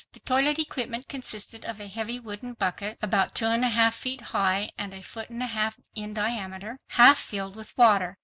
The toilet equipment consisted of a heavy wooden bucket, about two and a half feet high and a foot and a half in diameter, half filled with water.